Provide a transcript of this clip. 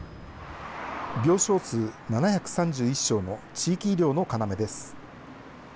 病床数７３１床の地域医療の要です。